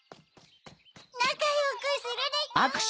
なかよくするでちゅ！